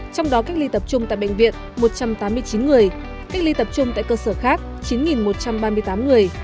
trong đó cách ly tập trung tại bệnh viện một trăm tám mươi chín người cách ly tập trung tại cơ sở khác chín một trăm ba mươi tám người